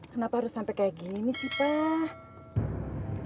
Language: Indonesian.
kenapa harus sampai kayak gini sih pak